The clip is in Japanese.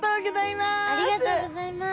ありがとうございます。